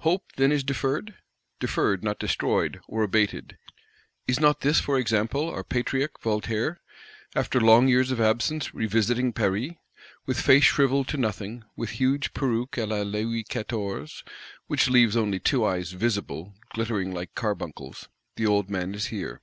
Hope, then, is deferred? Deferred; not destroyed, or abated. Is not this, for example, our Patriarch Voltaire, after long years of absence, revisiting Paris? With face shrivelled to nothing; with "huge peruke à la Louis Quatorze, which leaves only two eyes 'visible' glittering like carbuncles," the old man is here.